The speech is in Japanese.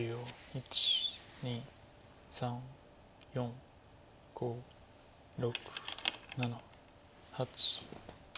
１２３４５６７８。